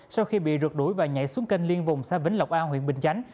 sau khi bị rượt đuổi và nhảy xuống kênh liên vùng xa vĩnh lọc ao huyện bình chánh